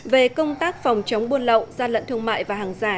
về công tác phòng chống buôn lậu gian lận thương mại và hàng giả